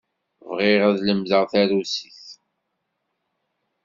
Bɣiɣ ad lemdeɣ tarusit.